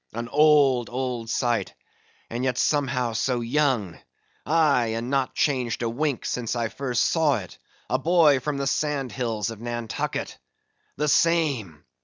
An old, old sight, and yet somehow so young; aye, and not changed a wink since I first saw it, a boy, from the sand hills of Nantucket! The same!